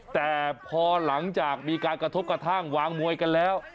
แต่พอหลังจากมีการกระทบกระทั่งวางมวยกันแล้ว